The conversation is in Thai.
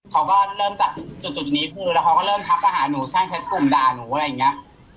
เขาก็เริ่มจากจุดนี้คือแล้วเขาก็เริ่มทักมาหาหนูช่างแชทกลุ่มด่าหนูอะไรอย่างนี้